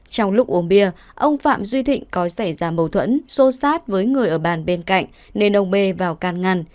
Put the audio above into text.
trong lúc uống bia ông phạm duy thịnh có xảy ra mâu thuẫn xô xát với người ở bàn bên cạnh nên ông bê vào can ngăn